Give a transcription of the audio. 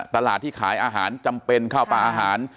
ตลาดที่ขายอาหารจำเป็นข้าวปลาอาหาร